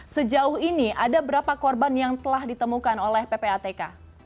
sejauh ini ada berapa korban yang telah ditemukan oleh ppatk